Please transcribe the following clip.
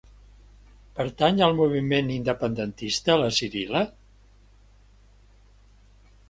Pertany al moviment independentista la Cirila?